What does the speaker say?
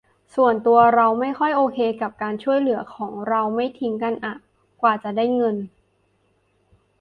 ส่วนตัวเราไม่ค่อยโอเคกับการช่วยเหลือของเราไม่ทิ้งกันอ่ะ กว่าจะได้เงิน